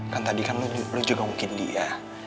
kan tadi kan lu juga mungkin dia